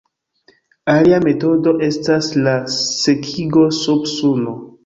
Alia metodo estas la sekigo sub Suno.